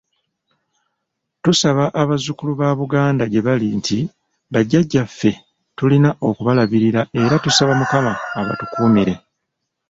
Tusaba abazzukulu ba Buganda gye bali nti bajjajjaffe tulina okubalabirira era tusaba Mukama abatukuumire.